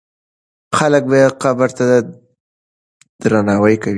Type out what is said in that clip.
خلک به یې قبر ته درناوی کوي.